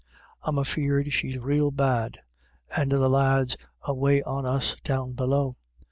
I'm afeard she's rael bad ; and the lads away on us down below.